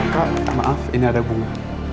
kak maaf ini ada bunga